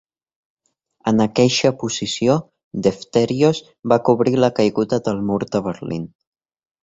En aqueixa posició, Defterios va cobrir la caiguda del mur de Berlín.